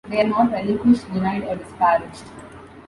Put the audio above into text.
They are not relinquished, denied, or disparaged.